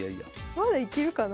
まだいけるかな？